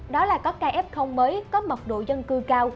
đó là có ca ép không mới có mật độ dân cư cao